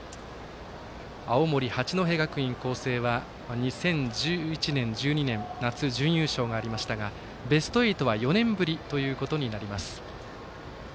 青森、八戸学院光星は２０１１年、１２年夏、準決勝がありましたがベスト８は４年ぶりということになります。